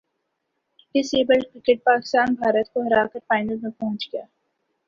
ڈس abled cricket Pakistan Bharat کو ہراکر final میں پہنچ گیا